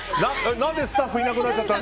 何でスタッフいなくなっちゃったの。